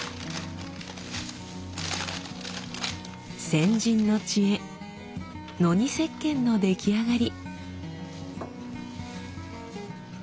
先人の知恵ノニせっけんの出来上がり。